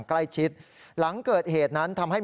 มีความรู้สึกว่าเกิดอะไรขึ้น